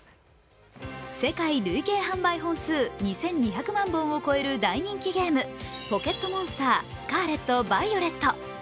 世界累計販売本数２２００万本を超える大人気ゲーム「ポケットモンスタースカーレット・バイオレット」。